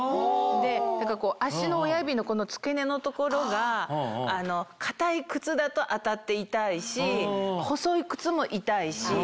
で足の親指の付け根の所が硬い靴だと当たって痛いし細い靴も痛いし。